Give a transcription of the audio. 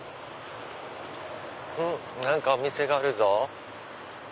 何かお店があるぞ。